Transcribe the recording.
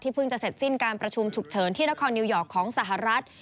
เพิ่งจะเสร็จสิ้นการประชุมฉุกเฉินที่นครนิวยอร์กของสหรัฐ